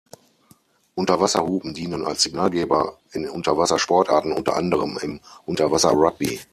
Unterwasser-Hupen dienen als Signalgeber in Unterwasser-Sportarten, unter anderem im Unterwasser-Rugby.